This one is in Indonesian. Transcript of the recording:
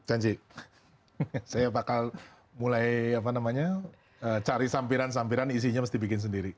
janji saya bakal mulai apa namanya cari sampiran sampiran isinya mesti bikin sendiri